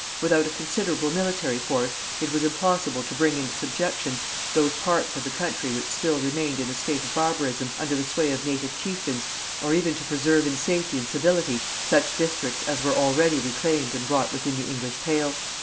Without a considerable military force it was impossible to bring into subjection those parts of the country which still remained in a state of barbarism under the sway of native chieftains, or even to preserve in safety and civility such districts as were already reclaimed and brought within the English pale.